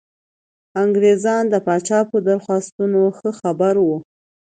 انګرېزان د پاچا په درخواستونو ښه خبر وو.